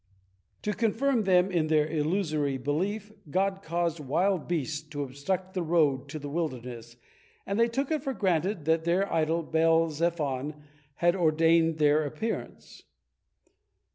To confirm them in their illusory belief, God caused wild beasts to obstruct the road to the wilderness, and they took it for granted that their idol Baal zephon had ordained their appearance.